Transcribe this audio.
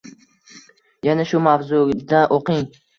Yana shu mavzuda o‘qing: